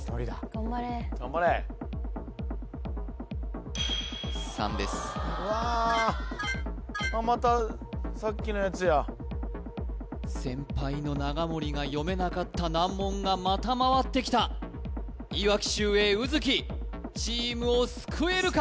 頑張れ頑張れ３ですわっまたさっきのやつや先輩の長森が読めなかった難問がまたまわってきたいわき秀英卯月チームを救えるか？